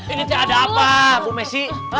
ini tiada apa bu messi